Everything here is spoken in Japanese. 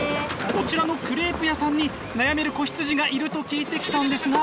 こちらのクレープ屋さんに悩める子羊がいると聞いてきたんですが。